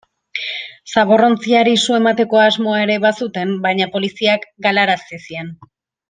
Zaborrontziari su emateko asmoa ere bazuten, baina poliziak galarazi zien.